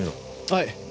はい。